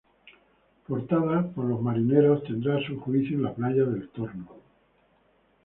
Portada por los marineros, tendrá su juicio en la playa del Torno.